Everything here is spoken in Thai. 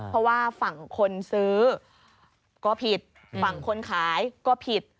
เพราะว่าฝั่งคนซื้อก็ผิดฝั่งคนขายก็ผิด